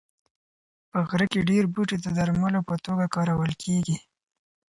په غره کې ډېر بوټي د درملو په توګه کارول کېږي.